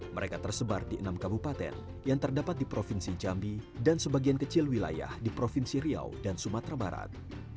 mereka tersebar di enam kabupaten yang terdapat di provinsi jambi dan sebagian kecil wilayah di provinsi riau dan sumatera barat